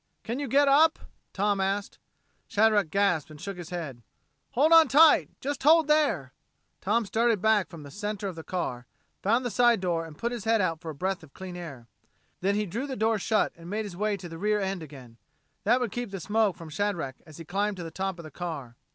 "Can you get up?" Tom asked. Shadrack gasped and shook his head. "Hold on tight! Just hold there!" Tom started back for the center of the car, found the side door and put his head out for a breath of clean air. Then he drew the door shut and made his way to the rear end again. That would keep the smoke from Shadrack as he climbed to the top of the car.